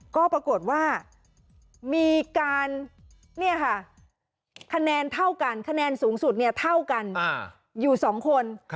ก็ปรากฏว่ามีการนี่ค่ะคะแนนเท่ากันคะแนนสูงสุดเนี่ยเท่ากันอยู่สองคน